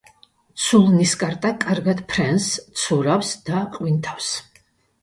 ცულნისკარტა კარგად ფრენს, ცურავს და ყვინთავს.